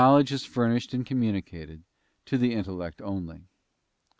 iL ledge is furnished and communicated to the intellect only.